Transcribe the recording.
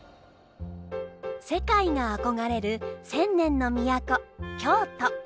世界が憧れる千年の都京都。